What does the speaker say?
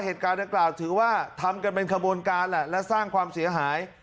เหตุการณ์ดังกล่าวถือว่าทำกันเป็นขบวนการแหละและสร้างความเสียหาย